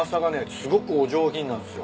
すごくお上品なんすよ。